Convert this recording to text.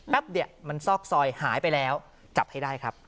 เนี่ยมันซอกซอยหายไปแล้วจับให้ได้ครับ